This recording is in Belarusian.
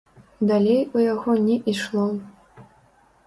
Далей у яго не ішло.